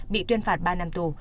bị tuyên phạt ba năm tù